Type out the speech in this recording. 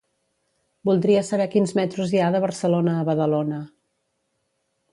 Voldria saber quins metros hi ha de Barcelona a Badalona.